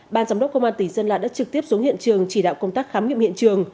ban giám đốc công an tỉnh sơn la đã trực tiếp xuống hiện trường chỉ đạo công tác khám nghiệm hiện trường